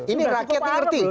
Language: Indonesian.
ini rakyat ngerti